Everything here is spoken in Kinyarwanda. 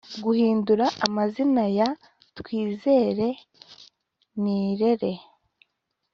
guhindura amazina ya twizere nirere